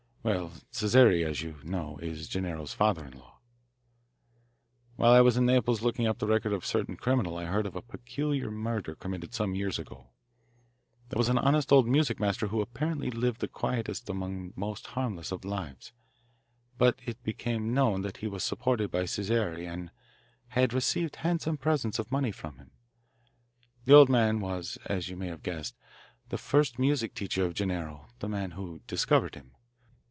Well, Cesare, as you know, is Gennaro's father in law. "While I was in Naples looking up the record of a certain criminal I heard of a peculiar murder committed some years ago. There was an honest old music master who apparently lived the quietest and most harmless of lives. But it became known that he was supported by Cesare and had received handsome presents of money from him. The old man was, as you may have guessed, the first music teacher of Gennaro, the man who discovered him.